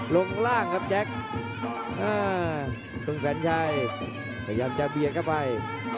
ลงล่างครับแจ็คตรงแสนชัยพยายามจะเบียดเข้าไป